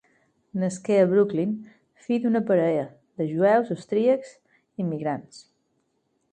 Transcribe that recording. Nasqué a Brooklyn, fill d'una parella de jueus austríacs immigrants.